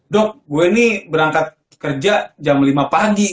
dok gue ini berangkat kerja jam lima pagi